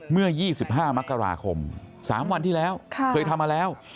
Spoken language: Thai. เมื่อ๒๕มกราคม๓วันที่แล้วเคยทำมาแล้ว